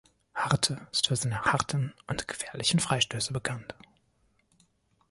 Harte ist für seine harten und gefährlichen Freistöße bekannt.